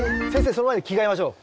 その前に着替えましょう。